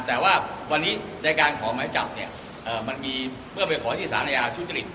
แต่ว่าวันนี้ในการขอหมายจับเมื่อไปขอที่ศาลยาชุดเจริต